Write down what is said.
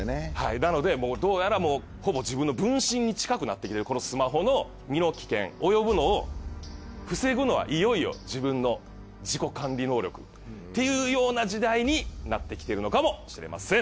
なのでもうどうやらほぼ自分の分身に近くなってきてるこのスマホの身の危険及ぶのを防ぐのはいよいよ自分の自己管理能力。っていうような時代になってきてるのかもしれません。